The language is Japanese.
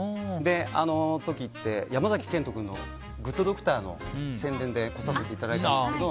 あの時、山崎賢人君の「グッド・ドクター」の宣伝で来させていただいたんですけど